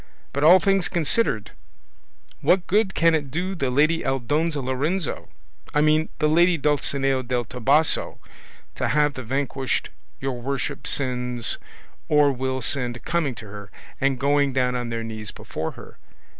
But all things considered, what good can it do the lady Aldonza Lorenzo, I mean the lady Dulcinea del Toboso, to have the vanquished your worship sends or will send coming to her and going down on their knees before her?